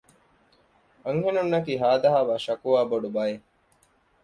އަންހެނުންނަކީ ހާދަހާވާ ޝަކުވާ ބޮޑު ބައެއް